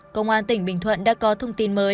công an tỉnh bình thuận đã có thông tin mới